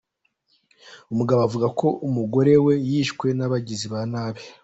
Umugabo avuga ko umugore we yishwe n’abagizi ba nabi.